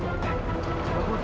tuhan aku ingin menang